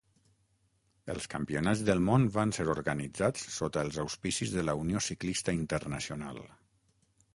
Els Campionats del món van ser organitzats sota els auspicis de la Unió Ciclista Internacional.